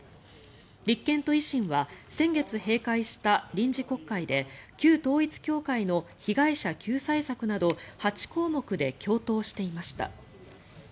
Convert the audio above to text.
立憲と維新は先月閉会した臨時国会で旧統一教会の被害者救済策など８項目で共闘していました。